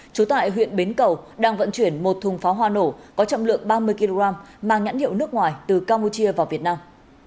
trú tại huyện bến cầu đang vận chuyển một thùng pháo hoa nổ có trọng lượng ba mươi kg mang nhãn hiệu nước ngoài từ campuchia vào việt nam